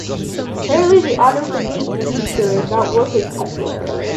Apparently, the autocomplete feature is not working temporarily.